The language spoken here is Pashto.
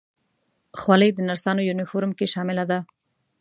خولۍ د نرسانو یونیفورم کې شامله ده.